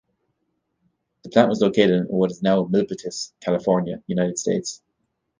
The plant was located in what is now Milpitas, California, United States.